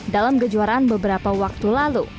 dalam kejuaraan beberapa waktu lalu